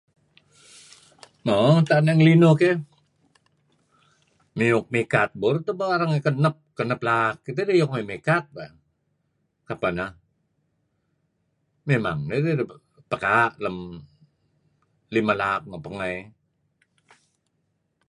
Mo utak narih ngalinuh keh, miyuk mikat burul tah barang kanap kanap laak, dih miyuk mamikat leh.. kapah nah, memang[um] idih pakaan lam limah laak nuk pangah[err]